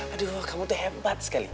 aduh kamu tuh hebat sekali